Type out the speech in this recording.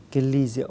cái ly rượu